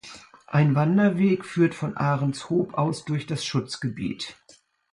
Ein Wanderweg führt von Ahrenshoop aus durch das Schutzgebiet.